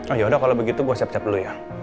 oh yaudah kalau begitu gue siap siap dulu ya